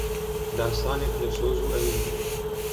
داستانێک لە سۆز و ئەوین